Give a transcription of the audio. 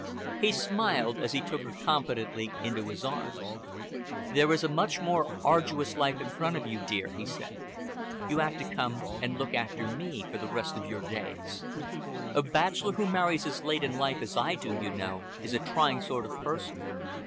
He smiled as he took her confidently into his arms. "There is a much more arduous life in front of you, dear," he said. "You have to come and look after me for the rest of your days. A bachelor who marries as late in life as I do, you know, is a trying sort of person."